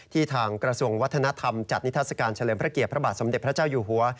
ทางกระทรวงวัฒนธรรมจัดนิทัศกาลเฉลิมพระเกียรติพระบาทสมเด็จพระเจ้าอยู่หัว